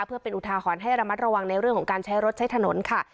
เพื่อเป็นอุทาหรณ์ให้ระมัดระวังในเรื่องของการใช้รถใช้ถนนค่ะ